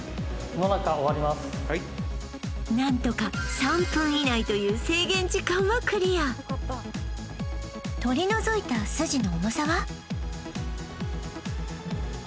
はい何とか３分以内という制限時間はクリア取り除いたスジの重さは？